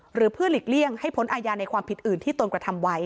หรือเพื่อหลีกเลี่ยงให้พ้นอาญาในความผิดอื่นที่ตนกระทำไว้